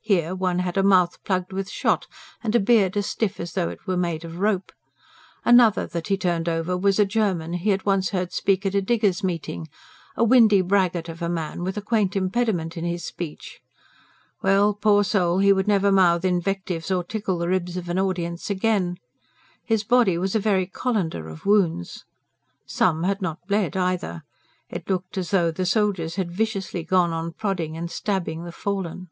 Here, one had a mouth plugged with shot, and a beard as stiff as though it were made of rope. Another that he turned over was a German he had once heard speak at a diggers' meeting a windy braggart of a man, with a quaint impediment in his speech. Well, poor soul! he would never mouth invectives or tickle the ribs of an audience again. His body was a very colander of wounds. Some had not bled either. It looked as though the soldiers had viciously gone on prodding and stabbing the fallen.